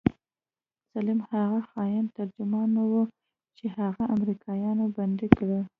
سليم هغه خاين ترجمان چې و هغه امريکايانو بندي کړى.